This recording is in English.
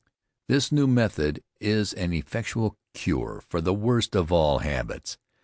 This new method is an effectual cure for this worst of all habits.